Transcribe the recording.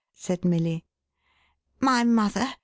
said Milly. "My mother?"